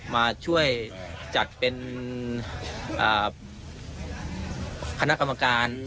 มาช่วยจัดเป็นคณะกรรมการ